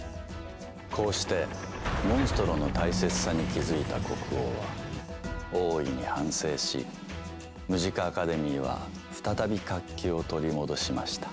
こうしてモンストロの大切さに気付いた国王は大いに反省しムジカ・アカデミーは再び活気を取り戻しました。